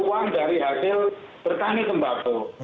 itu juga uang dari hasil pertanian tembakau